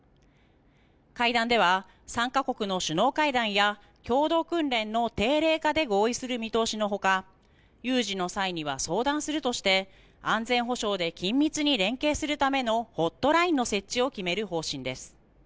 会談では３か国の首脳会談や共同訓練の定例化で合意する見通しのほか有事の際には相談するとして安全保障で緊密に連携するためのホットラインの設置を決める方針です。